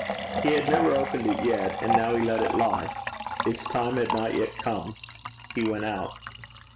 He had never opened it yet, and now he let it lie. Its time had not yet come. He went out.